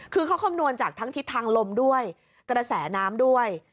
คือเขาคำนวณจากทั้งทิศทางลมด้วยกระแสน้ำด้วย